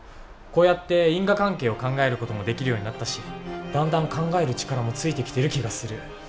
こうやって因果関係を考える事もできるようになったしだんだん考える力もついてきてる気がする。